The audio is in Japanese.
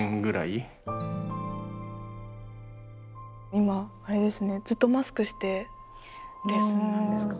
今あれですねずっとマスクしてレッスンなんですか？